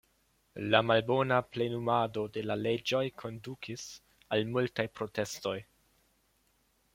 La malbona plenumado de la leĝoj kondukis al multaj protestoj.